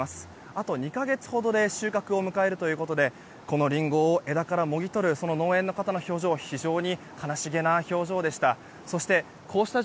あと２か月ほどで収穫を迎えるということでリンゴを枝からもぎ取る農園の方の表情は非常に悲しげな表情でした。